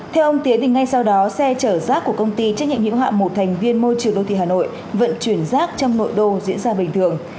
theo ông tiến thì ngay sau đó xe chở rác của công ty trách nhiệm hiệu hạ một thành viên môi trường đô thị hà nội vận chuyển rác trong nội đô diễn ra bình thường